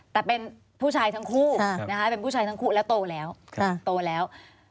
แต่เป็นผู้ชายทั้งคู่และโตแล้ว